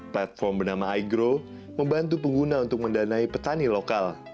platform bernama igrow membantu pengguna untuk mendanai petani lokal